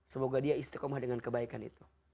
semoga dia istiqomah dengan kebaikan itu